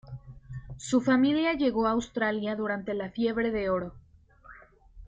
Su familia llegó a Australia durante la fiebre de oro.